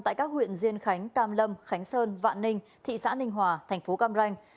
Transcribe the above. tại các huyện diên khánh cam lâm khánh sơn vạn ninh thị xã ninh hòa thành phố cam ranh